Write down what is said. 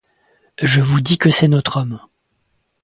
Je vous dis que c'est notre homme.